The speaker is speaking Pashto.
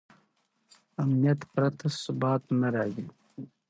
امنیت پرته ثبات نه راځي.